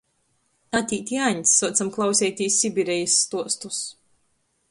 Atīt i Aņds, suocam klauseitīs Sibirejis stuostus.